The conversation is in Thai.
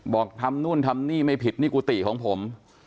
บอกทำนู่นทำนี่ไม่ผิดนี่กุฏิของผม